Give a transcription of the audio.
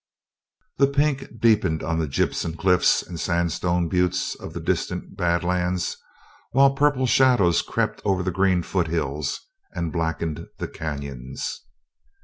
The pink deepened on gypsum cliffs and sandstone buttes of the distant Bad Lands, while purple shadows crept over the green foothills and blackened the canyons.